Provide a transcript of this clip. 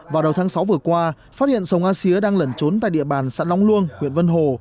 vào đầu tháng sáu vừa qua phát hiện sồng asia đang lẩn trốn tại địa bàn săn long luông huyện vân hồ